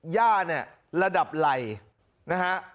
ย่าระดับไหลนะฮะ